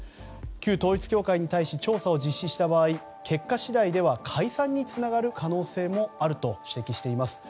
旧統一教会に対し調査を実施した場合結果次第では解散につながる可能性もあると指摘しています。